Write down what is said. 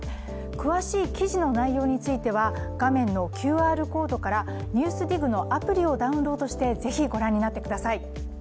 詳しい記事の内容については画面のＱＲコードから、「ＮＥＷＳＤＩＧ」のアプリをダウンロードしてぜひご覧になってください。